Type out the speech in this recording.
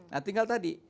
nah tinggal tadi